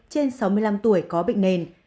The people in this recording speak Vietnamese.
trên sáu mươi năm tuổi có bệnh nền